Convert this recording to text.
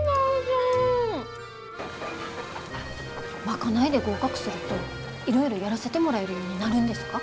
賄いで合格するといろいろやらせてもらえるようになるんですか？